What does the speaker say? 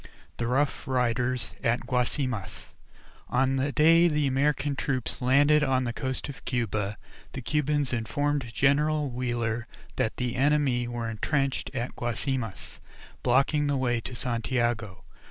I THE ROUGH RIDERS AT GUASIMAS On the day the American troops landed on the coast of Cuba, the Cubans informed General Wheeler that the enemy were intrenched at Guasimas, blocking the way to Santiago.